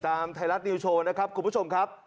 ไทยรัฐนิวโชว์นะครับคุณผู้ชมครับ